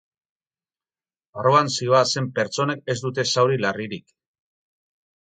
Barruan zihoazen pertsonek ez dute zauri larririk.